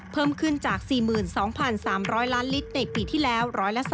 เพิ่มขึ้นจาก๔๒๓๐๐ล้านลิตรในปีที่แล้ว๑๓